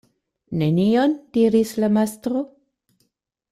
"Nenion?" diris la mastro.